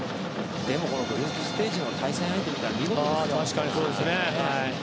でも、グループステージの対戦相手を見たら見事ですよ。